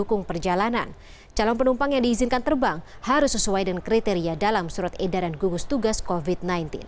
calon penumpang yang diizinkan terbang harus sesuai dengan kriteria dalam surat edaran gugus tugas covid sembilan belas